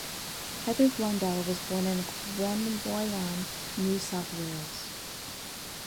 Heather Blundell was born in Queanbeyan, New South Wales.